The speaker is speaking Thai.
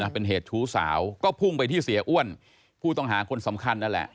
เป็นเหตุชู้สาวก็พุ่งไปที่เสียอ้วนผู้ต้องหาคนสำคัญนั่นแหละ